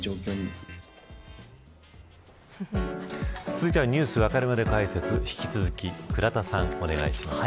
続いては、ニュースわかるまで解説、引き続き倉田さん、お願いします。